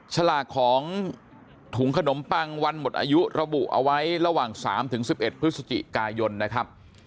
ฉลากของถุงขนมปังวันหมดอายุระบุเอาไว้ระหว่าง๓๑๑พฤศจิกายนนะครับ